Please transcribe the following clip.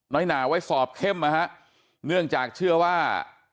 หนาไว้สอบเข้มนะฮะเนื่องจากเชื่อว่า